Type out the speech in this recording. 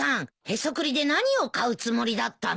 ヘソクリで何を買うつもりだったの？